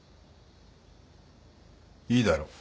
いいだろう。